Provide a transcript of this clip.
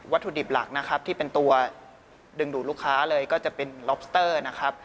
ถุดิบหลักนะครับที่เป็นตัวดึงดูดลูกค้าเลยก็จะเป็นล็อบสเตอร์นะครับ